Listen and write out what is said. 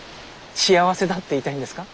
幸せだって言いたいんですか？